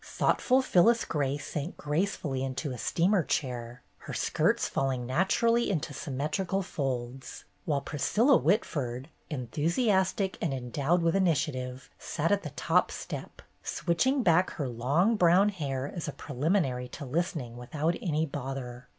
Thoughtful Phyllis Grey sank gracefully into a steamer chair, her skirts falling naturally into symmetrical folds; while Priscilla Whitford, enthusiastic and endowed with initiative, sat on the top step, switching back her long brown hair as a preliminary to listening "without any bother."